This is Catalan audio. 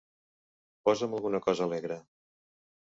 Posa'm alguna cosa alegre.